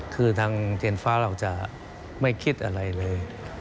คือทางเทียนฟ้าเราจะไม่คิดอะไรเลย